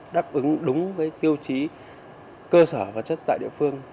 đáp ứng đúng với tiêu chí cơ sở vật chất tại địa phương